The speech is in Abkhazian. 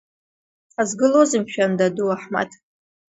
Ҳазгылоузеи, мшәан, даду Аҳмаҭ?!